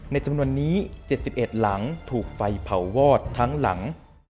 จำนวนนี้๗๑หลังถูกไฟเผาวอดทั้งหลัง